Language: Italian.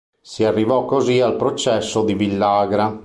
Si arrivò così al processo di Villagra.